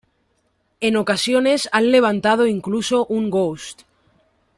En ocasiones han levantado incluso un Ghost.